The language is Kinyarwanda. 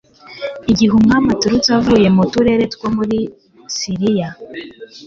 igihe umwami atahutse avuye mu turere two muri silisiya